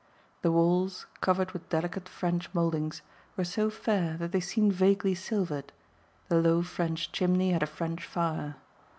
The walls, covered with delicate French mouldings, were so fair that they seemed vaguely silvered; the low French chimney had a French fire.